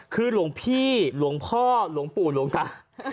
คือหลวงพี่หลวงพ่อหลวงปู่หลวงตา